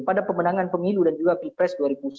pada pemenangan pemilu dan juga pilpres dua ribu sembilan belas